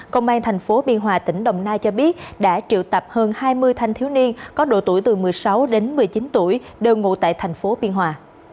công an tp biên hòa tỉnh đồng nai cho biết đã triệu tạp hơn hai mươi thanh thiếu niên có độ tuổi từ một mươi sáu đến một mươi chín tuổi đều ngủ tại tp biên hòa